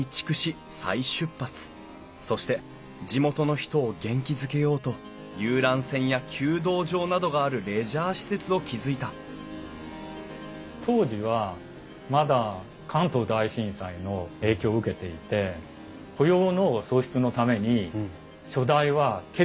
そして地元の人を元気づけようと遊覧船や弓道場などがあるレジャー施設を築いた当時はまだ関東大震災の影響を受けていて雇用の創出のために初代は決意したんだと思います。